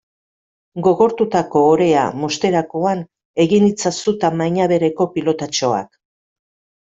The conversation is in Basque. Gogortutako orea mozterakoan egin itzazu tamaina bereko pilotatxoak.